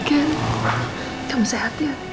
kamu sehat ya